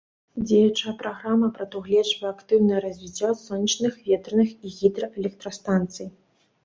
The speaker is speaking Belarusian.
Дзеючая праграма прадугледжвае актыўнае развіццё сонечных, ветраных і гідраэлектрастанцый.